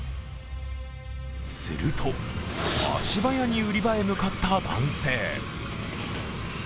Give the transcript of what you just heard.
すると、足早に売り場へ向かった男性。